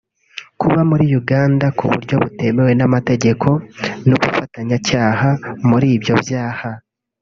kuba muri Uganda ku buryo butemewe n’amategeko n’ubufatanyacyaha muri ibyo byaha